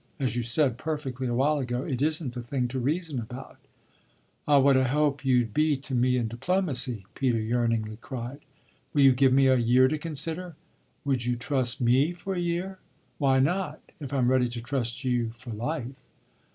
As you said, perfectly, a while ago, it isn't a thing to reason about." "Ah what a help you'd be to me in diplomacy!" Peter yearningly cried. "Will you give me a year to consider?" "Would you trust me for a year?" "Why not, if I'm ready to trust you for life?"